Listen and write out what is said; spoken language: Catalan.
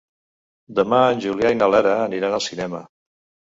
Demà en Julià i na Lara aniran al cinema.